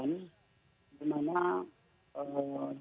harus bisa memenuhi atau mematuhi aturan antara